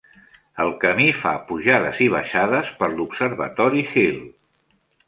El camí fa pujades i baixades per l'Observatory Hill.